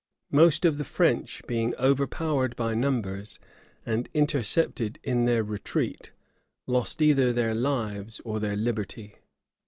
Most of the French, being overpowered by numbers, and intercepted in their retreat, lost either their lives or their liberty.